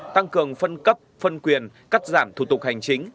tăng cường phân cấp phân quyền cắt giảm thủ tục hành chính